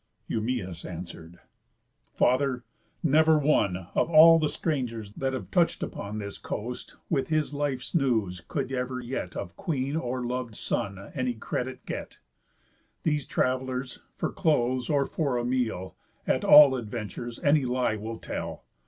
Eumæus answer'd: "Father, never one, Of all the strangers that have touch'd upon This coast, with his life's news could ever yet Of queen, or lov'd son, any credit get. These travellers, for clothes, or for a meal, At all adventures, any lie will tell.